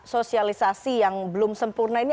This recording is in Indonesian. sosialisasi yang belum sempurna ini